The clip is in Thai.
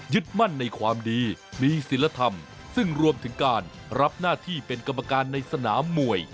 มั่นในความดีมีศิลธรรมซึ่งรวมถึงการรับหน้าที่เป็นกรรมการในสนามมวย